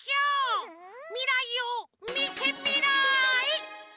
みらいをみてみらい！